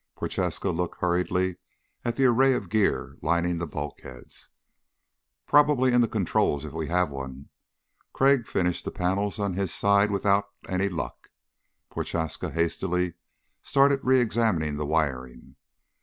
Prochaska looked hurriedly at the array of gear lining the bulkheads. "Probably in the controls, if we have one." Crag finished the panels on his side without any luck. Prochaska hastily started re examining the wiring.